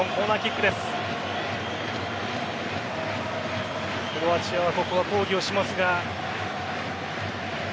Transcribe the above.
クロアチアはここは抗議をしますが。